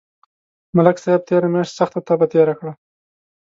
ملک صاحب تېره میاشت سخته تبه تېره کړه